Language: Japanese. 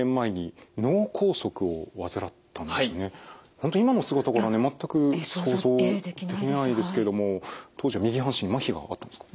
本当今の姿からはね全く想像できないですけれども当時は右半身まひがあったんですか？